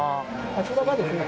あちらがですね